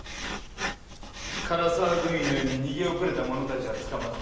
柄沢軍医のように逃げ遅れた者たちは捕まった。